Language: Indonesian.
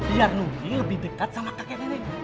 biar nuki lebih dekat sama kakek nenek